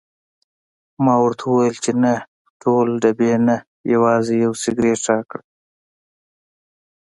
ما ورته وویل چې نه ټول ډبې نه، یوازې یو سګرټ راکړه.